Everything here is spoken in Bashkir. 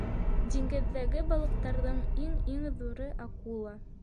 Диңгеҙҙәге балыҡтарҙың Иң-иң ҙуры — акула.